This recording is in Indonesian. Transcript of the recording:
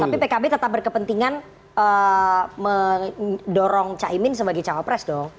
tapi pkb tetap berkepentingan mendorong cahimin sebagai cwapres dong